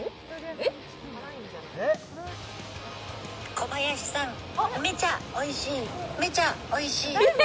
小林さん、めちゃおいしい、めちゃおいしい。